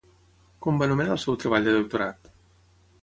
Com va anomenar el seu treball de doctorat?